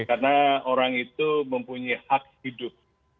karena orang itu mempunyai hak hidup